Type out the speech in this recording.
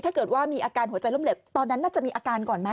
ถ้าเกิดว่ามีอาการหัวใจร่มเหล็กตอนนั้นน่าจะมีอาการก่อนไหม